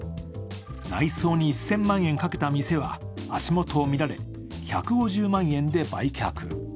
内装に１０００万円かけた店は足元をみられ、１５０万円で売却。